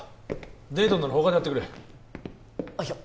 デートなら他でやってくれいや